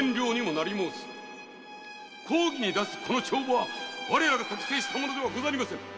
〔公儀に出すこの帳簿は我らが作成した物ではございませぬ〕